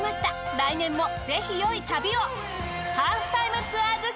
来年もぜひよい旅を。